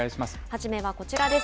初めはこちらです。